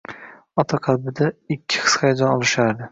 Ota qalbida ikki his-hayajon olishardi;